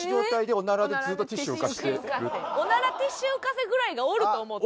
おならティッシュ浮かせぐらいがおると思って。